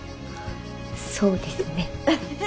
そうですね。